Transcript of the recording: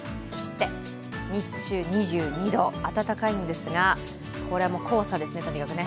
日中、２２度、暖かいんですがこれも黄砂ですね。